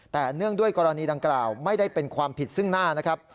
แต่เนื่องด้วยกรณีดังกล่าวไม่ได้เป็นความผิดซึ่งหน้านะครับ